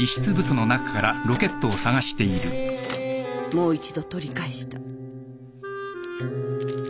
もう一度取り返した。